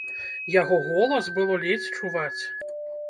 Яго голас было ледзь чуваць.